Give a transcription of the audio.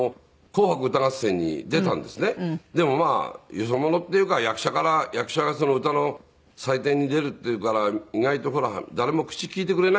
でもまあよそ者っていうか役者から役者が歌の祭典に出るっていうから意外とほら誰も口利いてくれないんですよ。